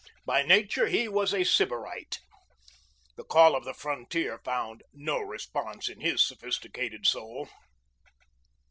By nature he was a sybarite. The call of the frontier found no response in his sophisticated soul.